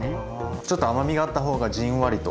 ちょっと甘みがあった方がじんわりと。